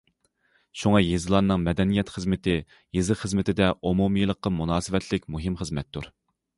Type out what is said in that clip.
شۇڭا يېزىلارنىڭ مەدەنىيەت خىزمىتى يېزا خىزمىتىدە ئومۇمىيلىققا مۇناسىۋەتلىك مۇھىم خىزمەتتۇر.